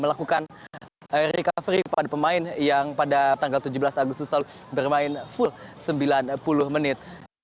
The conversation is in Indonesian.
melakukan recovery kepada pemain yang pada tanggal tujuh belas agustus selalu bermain full sembilan puluh menit